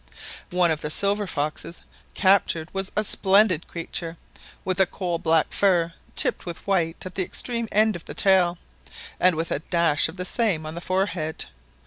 One of the silver foxes captured was a splendid creature, with a coal black fur tipped with white at the extreme end of the tail, and with a dash of the some on the forehead.